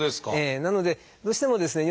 なのでどうしてもですね